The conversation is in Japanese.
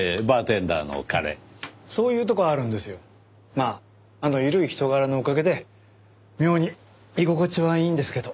まああの緩い人柄のおかげで妙に居心地はいいんですけど。